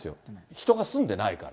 人が住んでないから。